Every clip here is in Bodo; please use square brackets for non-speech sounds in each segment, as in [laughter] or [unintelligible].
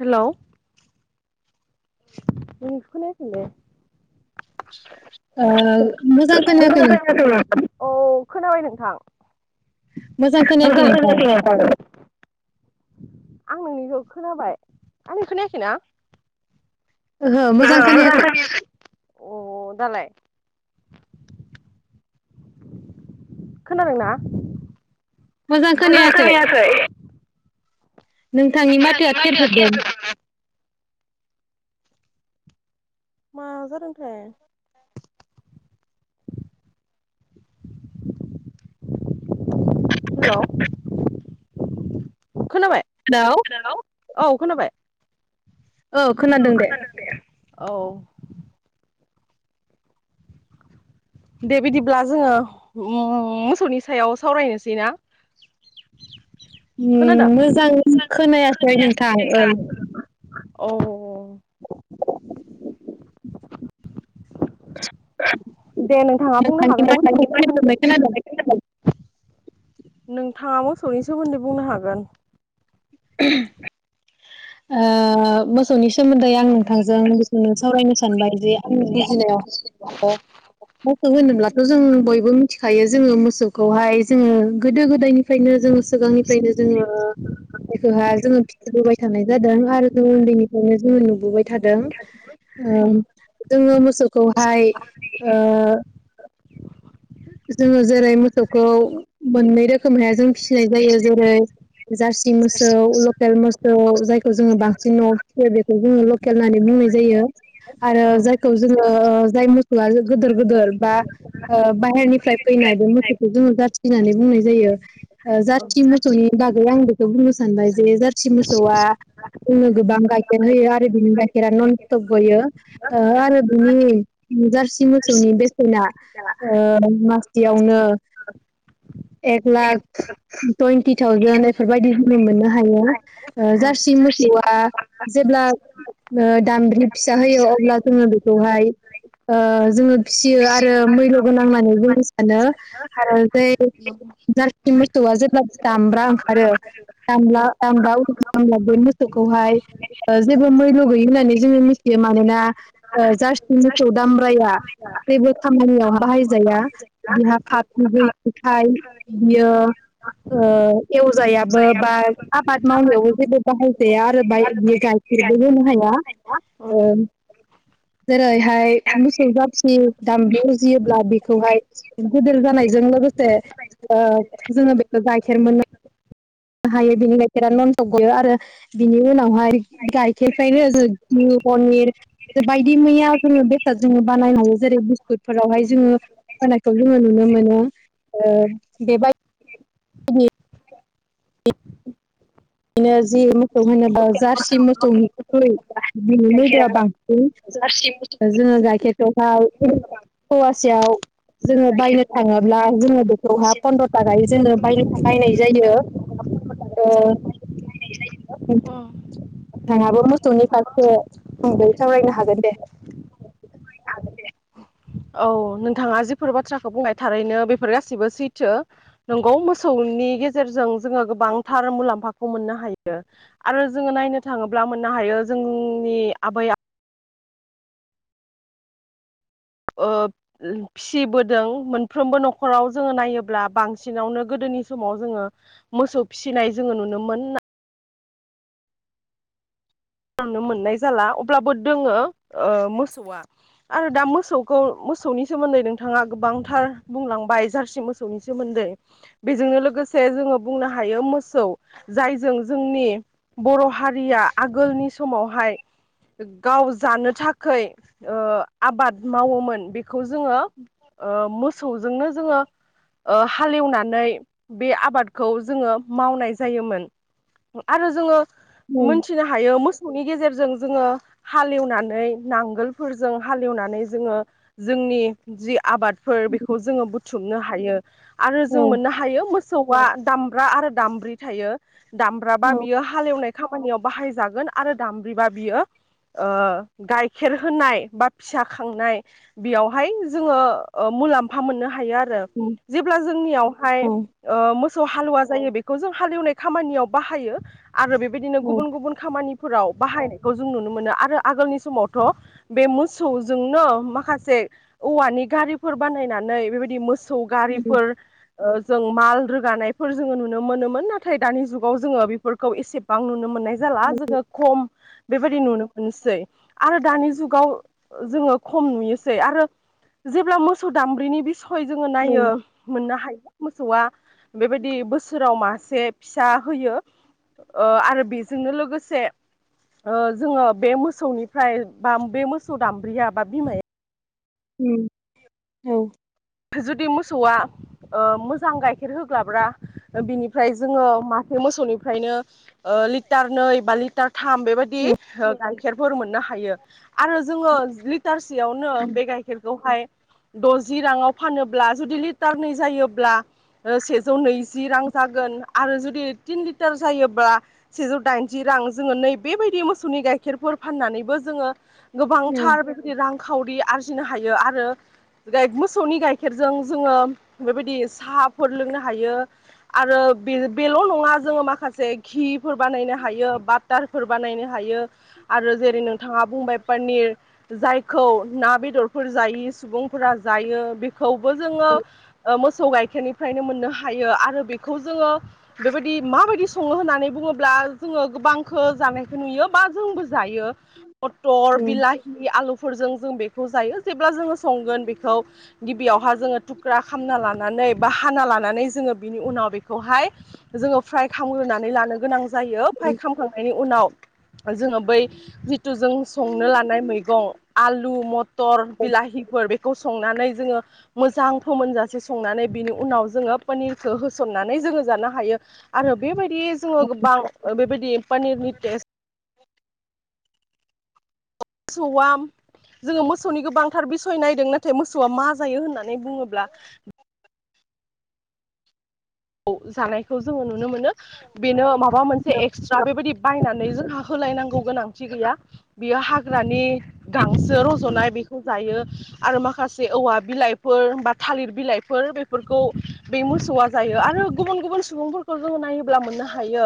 हेलौ नोंनिखो खोनायाखैलै। ओ मोजां खानायाखै नोंथां। औ खोनाबाय नोंथां? मोजां खोनायाखै नोंथां। आं नोंनिखौ खोनाबाय आंनि खोनायाखै ना? ओहो मोजां खोनायाखै। अ दालाय? खोनादोंना? मोजां खोनायाखै। नोंथांनि माथोआ थेर जोबदों। मा जादोंथाय [unintelligible] हेल' हेलौ औ खोनाबाय औ खोनादों दे औ दे बिदिब्ला जोङो मोसौनि सायाव सावरायनोसै ना खोनादों मोजां खोनायासै नोंथां ओं अह [unintelligible] दे नोंथाङा बुंनो नोंथांनि माथोखौ थेरजोबनाय खोनादों हागोन नोंथाङा मोसौनि सोमोन्दै बुंनो हागोन ओहोम ओ मो मोसौनि सोमोन्दै आं नोंथांजों बेखौनो सावरायनो सानबाय जे आंनि बुजिनायाव मोसौ होनोब्लाथ' जों बयबो मिथिखायो जोङो मोसौखौहाय जोङो गोदो गोदायनि फ्रायनो जोंङो सिगांनिफ्रायनो जोङो जायखौहा जोङो फिबोबाय थानाय जादों आरो जों उन्दै निफ्रायनो जोंङो नु थादों ओ जोङो मोसौखौहाय ओ जोङो जेरै मोसौखौ मोननै रोखोमै हा जों फिसिनाय जायो जेरै जारसि मोसौ लकेल मोसौ जायखौ जोङो बां सिन न'आव फियो बेखौ जोङो लकेल होननानै बुंनाय जायो आरो उम जायखौ जोङो ओ जाय मोसौआ गोदोर-गोदोर बा ओ बाहेरनिफ्राय फैनाय बे मोसौखौ जोङो जारसि होननानै बुंनाय जायो ओ जारसि मोसौनि बागै आं बेखौ बुंनो सानबाय जे जारसि मोसौआ जोंनो गोबां गाइखेर होयो आरो बिनि गाइखेरा नन स्टप गयो ओ आरो बिनि जारसि मोसौनि बेसेना ओ मासथियावनो एक लाख टुइन्टि थावजेेन एफोरबायदि जोङो मोननो हायो जारसि मोसौआ जे जेब्ला ओ दामब्रि फिसा होयो अब्ला जोङो बेखौहाय ओ जोङो फिसियो आरो मैल' गोनांनानै बुंनो सानो खारन जे उम उम जारसि मोसौआ जेब्ला दामब्रा ओंखारो औ दामला दामब्रा उजियो होनब्ला बे मोसौखौहाय ओ जेबो मैल' गैयि होननानै जोङो मिथियो मानोना जार्सि मोसौ दामब्राया जेबो खामानियावहा बाहायजाया बिहा पाफ गैयैखाय बियो ओ एवजायाबो बा आबाद मावनायावबो जेबो बाहायजाया आरो बाय बियो गाय गरबोनो हाया अह ओ जेरैहाय मोसौ जारसि दाब्रि उजि फियोब्ला बेखौहाय गोदोर जानायजों लोगोसे ओ जोङो बेखौ गाइखेर मोनना हायो बिनि गाइखेरा ननसक गयो आरो बिनि उनावहाय गाइखेरनिफ्रायनो जों गिउ पनिर बायदि मैया जोङो बेसाद जोङो बानायनो हायो जेरै बिस्कुट फोरावहाय जोङो होनायखौ जोङो नुनो मोनो ओ बेबाय दिनि बिदिनो जि मोसौ होनोबा जारसि मोसौनिख्रुइ बिनि मैद'आ बांसिन जोङो गाइखेरखौहाय फया सेयाव जोङो बायनो थाङोब्ला जोङो बेखौहाय फन्द्र' थाखायै जेननो बायना बायनाय जायो उम [unintelligible] नोंथाङाबो मोसौनि फारसे आंदों सावरायनो हागोन दे औ नोंथाङा जिफोर बाथ्राखौ बुंनाय थारैनो बेफोर गासिबो सैथो नंगौ मोसौ नि गेजेरजों जोङो गोबांथार मुलाम्फाखौ मोननो हायो आरो जोङो नायनो थाङोब्ला मोननो हायो जोंनि आबै आबौ फिसिबोदों मोनफ्रोमबो न'खराव जोङो नायोब्ला बांसिनावनो गोदोनि समाव जोङो ओ मोसौ फिसिनाय जोङो नुनो मोन नुनो मोननाय जाला अब्लाबो दोङो ओ मोसौआ आरो दा मोसौखौ मोसौनि सोमोन्दै नोंथाङा गोबांथार बुंलांबाय जारसि मोसौनि सोमोन्दै [inaudible] बेजोंनो लोगोसे जोङो बुंनो हायो मोसौ जायजों जोंनि बर' हारिया आगोलनि समावहाय गाव जानो थाखै ओ आबाद मावोमोन बेखौ जोङो ओ मोसौजोंनो जोङो ओ हालेवनानै बे आबादखौ जोङो मावनाय जायोमोन आरो जोङो मोन्थिनो हायो मोसौ गेजेरजों जोङो हालेवनानै नांगोलफोरजों हालेवनानै जोङो जोंनि नि जि आबादफोर बेखौ जोङो बुथुमनो हायो आरो जों औ मोननो हायो मोसौआ दामब्रा आरो दामब्रि थायो दाम्ब्राबा बियो हालेवनाय खामानियाव बाहायजागोन आरो दाम्ब्रिबा बियो ओ गाइखेर होनाय बा फिसा खांनाय बेयावहाय जोङो ओम मुलाम्फा मोननो हायो आरो जेब्ला जोंनियावहाय ओ मोसौ हालुवा जायो बेखौ जों हालेवनाय खामानियाव बाहायो आरो बेबायदिनो गुबुन गुबुन खामानि बाहायनायखौ जों नुनो मोनो आरो आगोलनि समावथ' बे मोसौजोंनो माखासे औवानि गारिफोर बानायनानै बेबायदि मोसौ हेलौ गारिफोर ओ जों माल रोगानायफोर जोङो नुनो मोनोमोन नाथाय दानि जुगाव जोङो बेफोरखौ एसेबां नुनो मोननाय जाला जोङो खम बेबायदि नुनो मोनसै आरो दानि जुगाव जोङो खम नुयोसै आरो जेब्ला मोसौ दाम्ब्रिनि बिस जोङो नायो मोननो हायो मोसौआ बेबायदि बोसोराव मासे फि सा होयो ओ आरो बेजोंनो लोगोसे ओ जोङो बे मोसौनिफ्राय बा बे मोसौ दाम्ब्रिया बा बिमाया उम औ जुदि मोसौआ ओ मोजां गाइखेर होग्लाब्रा बिनिफ्राय जोङो मोसौनिफ्रायनो लिटार नै बा लिटार थाम बेबायदि गाय गाइखेरफोर मोननो हायो आरो जोङो लिटारसेयावनो बे गाइखेर खौहाय द'जि राङाव फानोब्ला जुदि लिटारनै जायोब्ला ओ सेजौ नैजि रां जागोन आरो जुदि तिन लिटार जायोब्ला सेजौ दाइनजि रां रां जोङो नै बेबायदि मोसौनि गाइखेरफोर फान्नानैबो जोङो गोबांथार बेबायदि रांखावरि आरजिनो हायो आरो गाय मो सौनि गाइखेरजों जोङो बेबायदि साहाफोर लोंनो हायो आरो बे बेल' नङा जोङो माखासे घिफोर बानायनो हायो बाटार फोर बानायनो हायो आरो जेरै नोंथाङा बुंबाय पनिर जायखौ ना बेदरफोर जायि सुबुंफोरा जायो बेखौबो जोङो मोसौ गाइखेरनिफ्रायनो मोनो मोननो हायो आरो बेखौ जोङो बेबायदि माबायदि सङो होननानै बुङोब्ला जोङो गोबांखौ जानायखौ नुयो बा जोंबो जायो मटर बिलाहि आलु फोरजों जों बेखौ जायो जेब्ला जोङो संगोन बेखौ गिबियावहााय जोङो थुख्रा खामना लानानै बा हाना लानानै जोङो बिनि उनाव बेखौहाय जोङो फ्राय खालामगोनानै लानो गोनां जायो फ्राय खालामखांनायनि उनाव जोङो बै जिथु जों संनो लानाय मैगं आलु मथर बिलाहिफोर बे खौ संनानै जोङो मोजां फोमोनजासे संनानै बिनि उनाव जोङो पनिरखौ होसननानै जोङो जानो हायो। आरो बेबायदि जोङो गोबां बेबायदि पनिरनि टेस्ट सुवाम जोङो मोसौनि गोबांथार बिसय नायदों नाथाय मोसौआ मा जायो होननानै बुङोब्ला खौ जानायखौ जोङो नु नो मोनो। बेनो माबा मोनसे एक्सट्रा बेबायदि बायनानै जोंहा होलायनांगौ गोनांथि गैया। बियो हाग्रानि गांसो रज'नाय बेखौ जायो आरो माखासे औवा बिलाइ फोर बा थालिर बिलाइ बेफोरखौ बे मोसौआ आरो गुबुन गुबुन सुबुंफोरखौ जों नायोब्ला मोननो हायो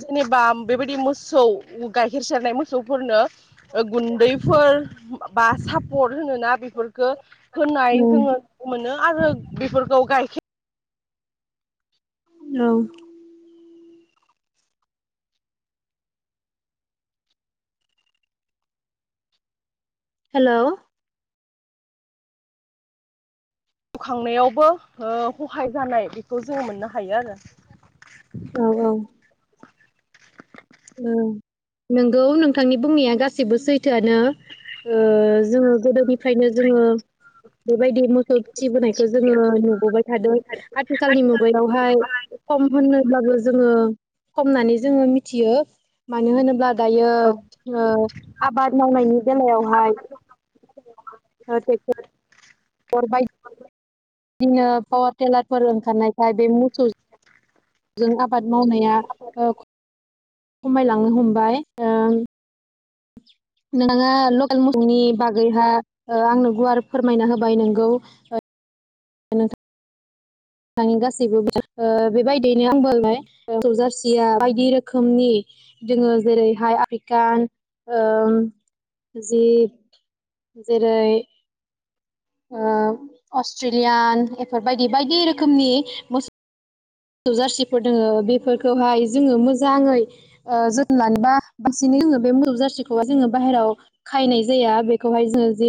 जेनेबा बेबायदि मोसौ औ गाइखेर सेरनाय मोसौफोरनो ओ गुन्दैफोर बा सापर होनो ना बेफोरखो होनाय जोङो नुनो मोनो आरो बेफोरखौ गाइखेर औ। हेलौ जिउ खांनायावबो हो खहाय जानाय बेखौ जोङो मोननो हायो आरो औ औ। [unintelligible] नंगौ नोंथांनि बुंनाया गासिबो सैथोआनो। ओ जोङो गोदोनिफ्रायनो जोङो बेबायदि मोसौ फिसिबोनायखौ जोङो नुबोबाय थादों। आथिखालनि मुगायावहाय कम होननोब्लाबो जोङो कमनानै जोङो मिथियो। मानो होनोब्ला दायो औ यो आबाद मावनायनि बेलायावहाय [unintelligible] बाय दिनो पावार टेलारफोर ओंखारनायखाय बे मोसौ जों आबाद मावनाया ओ खमायलांनो हमबाय ओं। [inaudible] नोंथाङा लकेल मोसौनि बागैहा ओ आंनो गुवार फोरमायना होबाय नोंगौ। ओ नोंथां [unintelligible] गासैबो [unintelligible] बेबायदियैनो [unintelligible] जारसिया बायदि रोखोमनि दोङो जेरैहाय आफ्रिकान ओम जिब जेरै ओ अस्ट्रेलियान इफोरबायदि बायदि रोखोमनि मो सौ जारसिफोर दोङो बेफोरखौहाय जोङो मोजाङै ओ जोथोन लानोबा बासिनो जोंङो बे मोसौ जारसिखौहाय जोङो बाहेराव खाहैनाय जाया बेखौहाय जोङो जे